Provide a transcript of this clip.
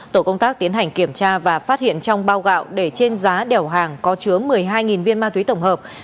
tổ công tác tiến hành kiểm tra và phát hiện trong bao gạo để trên giá đèo hàng có chứa một mươi hai viên ma túy tổng hợp